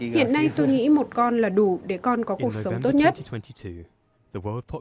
hiện nay tôi nghĩ một con là đủ để con có cuộc sống tốt nhất